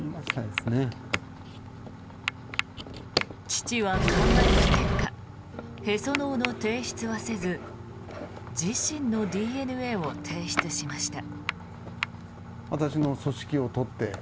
父は考えた結果へその緒の提出はせず自身のＤＮＡを提出しました。